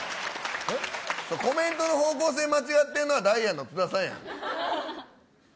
コメントの方向性間違ってるのはダイアンの津田さんや。